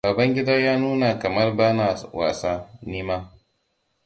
Babangida ya nuna kamar bana wasa, nima.